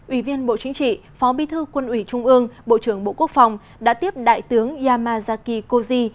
ủy viên bộ chính trị phó bi thư quân ủy trung ương bộ trưởng bộ quốc phòng đã tiếp đại tướng yamazaki koji